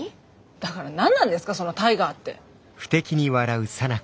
だから何なんですかそのタイガーって。